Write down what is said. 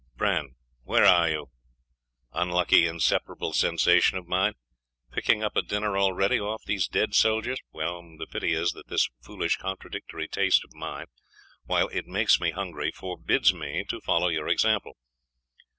............... 'Bran! where are you; unlucky inseparable sensation of mine? Picking up a dinner already off these dead soldiers? Well, the pity is that this foolish contradictory taste of mine, while it makes me hungry, forbids me to follow your example.